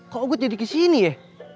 kok gue jadi kesini ya